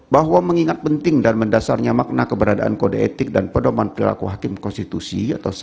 bahwa mengingat penting dan mendasarnya makna keberadaan kode etik dan pedoman perilaku hakim konstitusi